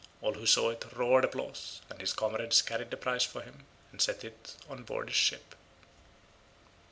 All who saw it roared applause, and his comrades carried the prize for him and set it on board his ship.